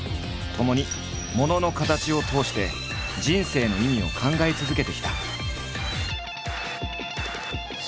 ともにものの「形」を通して人生の意味を考え続けてきた。